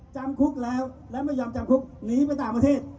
จำคุกแล้วและไม่ยอมจำคุกหนีไปต่างประเทศ